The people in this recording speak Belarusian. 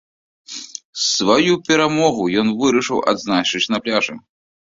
Сваю перамогу ён вырашыў адзначыць на пляжы.